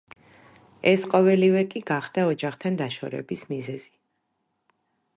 ეს ყოველივე კი გახდა ოჯახთან დაშორების მიზეზი.